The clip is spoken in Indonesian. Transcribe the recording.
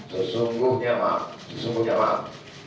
sesungguhnya maaf sesungguhnya maaf